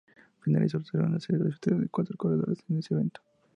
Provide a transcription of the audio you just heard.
Finalizó tercero en la serie clasificatoria de cuatro corredores en ese evento.